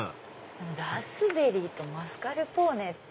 ラズベリーとマスカルポーネって。